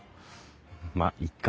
まっいっか。